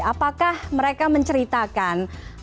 apakah mereka menceritakan